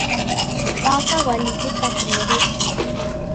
Mwaka ghwalighisa kumerekia.